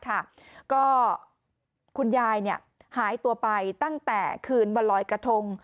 ก็คุณยายหายตัวไปตั้งแต่คืนวันลอยกระทง